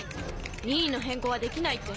任意の変更はできないって。